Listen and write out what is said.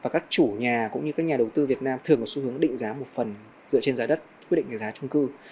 và các chủ nhà cũng như các nhà đầu tư việt nam thường có xu hướng định giá một phần dựa trên giá đất quyết định giá trung cư